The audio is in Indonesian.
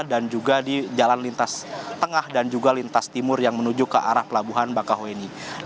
dan juga di jalan lintas tengah dan juga lintas timur yang menunjukkan